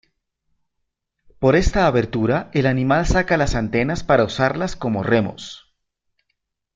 Por esta abertura el animal saca las antenas para usarlas como remos.